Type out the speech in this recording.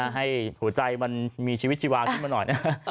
ให้หัวใจมันมีชีวิตชีวาขึ้นมาหน่อย